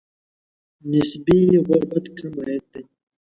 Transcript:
نسبي غربت کم عاید دی.